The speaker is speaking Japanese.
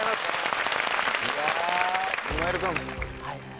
はい。